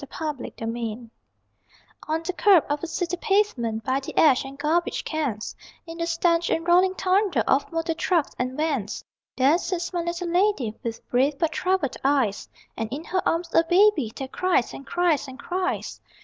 THE MADONNA OF THE CURB On the curb of a city pavement, By the ash and garbage cans, In the stench and rolling thunder Of motor trucks and vans, There sits my little lady, With brave but troubled eyes, And in her arms a baby That cries and cries and cries.